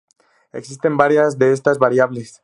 Existen varias de estas variables.